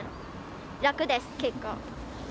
楽です、結構。